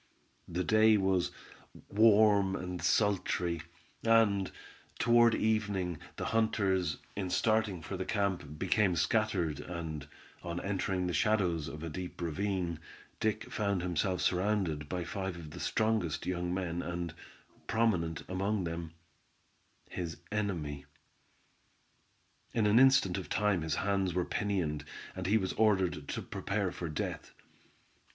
The day was warm and sultry, and, toward evening, the hunters, in starting for the camp, became scattered, and, on entering the shadows of a deep ravine, Dick found himself surrounded by five of the strongest young men, and, prominent among them, his enemy. In an instant of time his hands were pinioned, and he was ordered to prepare for death.